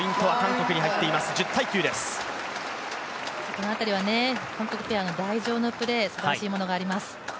この辺りは韓国ペアの台上のプレーすばらしいものがあります。